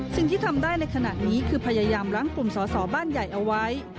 สิ่งที่ทำได้ในขณะนี้คือพยายามล้างกลุ่มสอสอบ้านใหญ่เอาไว้